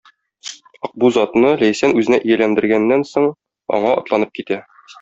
Акбүз атны Ләйсән үзенә ияләндергәннән соң, аңа атланып китә.